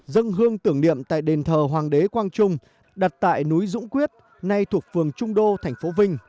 dân hương tưởng niệm tại đền thờ hoàng đế quang trung đặt tại núi dũng quyết nay thuộc phường trung đô thành phố vinh